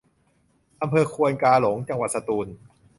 อำเภอควนกาหลง จังหวัดสตูล